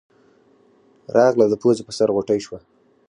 راغله د پوزې پۀ سر غوټۍ شوه